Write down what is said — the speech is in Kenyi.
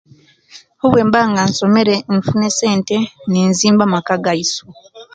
Owemba nga nsomere infuna esente ninzimba amaka gaisu